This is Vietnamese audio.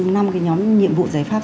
năm nhóm nhiệm vụ giải pháp